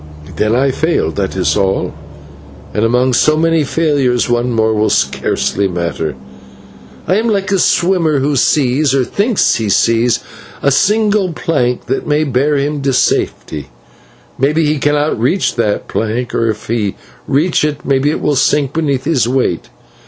"Then I fail, that is all, and among so many failures one more will scarcely matter. I am like a swimmer who sees, or thinks that he sees, a single plank that may bear him to safety. Maybe he cannot reach that plank, or, if he reach it, maybe it will sink beneath his weight.